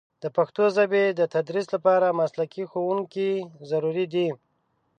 د پښتو ژبې د تدریس لپاره مسلکي ښوونکي ضروري دي.